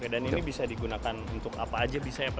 dan ini bisa digunakan untuk apa saja bisa ya pak